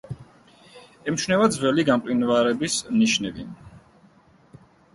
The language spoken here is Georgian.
ემჩნევა ძველი გამყინვარების ნიშნები.